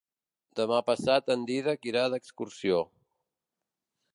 Demà passat en Dídac irà d'excursió.